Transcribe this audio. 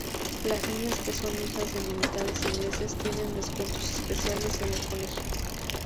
Las niñas que son hijas de militares ingleses tienen descuentos especiales en el colegio.